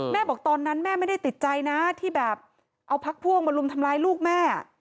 บอกตอนนั้นแม่ไม่ได้ติดใจนะที่แบบเอาพักพ่วงมาลุมทำร้ายลูกแม่